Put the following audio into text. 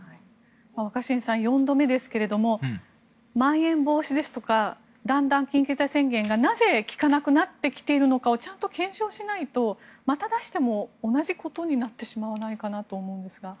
若新さん４度目ですがまん延防止ですとかだんだん緊急事態宣言がなぜ、効かなくなってきているかちゃんと検証しないとまた出しても同じことになってしまわないかと思うんですが。